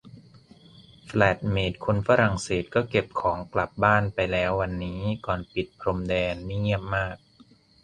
แฟลตเมตคนฝรั่งเศสก็เก็บของกลับบ้านไปแล้ววันนี้ ก่อนปิดพรมแดน นี่เงียบมาก